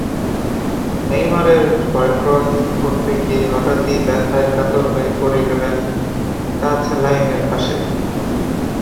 নেইমারের ভয়ক্রস করতে গিয়ে হঠাৎই ব্যথায় কাতর হয়ে পড়ে গেলেন টাচলাইনের পাশে।